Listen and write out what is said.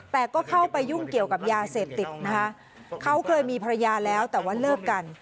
แต่ก็เข้าไปยุ่งเกี่ยวกับยาเสพติดนะคะเขาเคยมีภรรยาแล้วแต่ว่าเลิกกัน